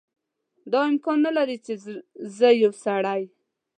دا امکان نه لري چې زه یو سړی.